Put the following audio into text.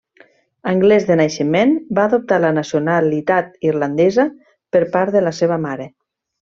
Anglès de naixement, va adoptar la nacionalitat irlandesa per part de la seva mare.